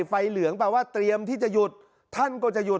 เหลืองแปลว่าเตรียมที่จะหยุดท่านก็จะหยุด